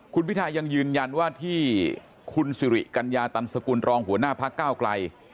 คุณพิทายังยืนยันว่าที่คุณสิริกัญญาตันสกุลรองหัวหน้าพักก้าวไกล